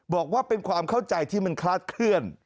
บอกว่าเป็นความเข้าใจที่มันคลาดเคลื่อน